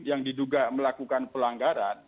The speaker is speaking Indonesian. yang diduga melakukan pelanggaran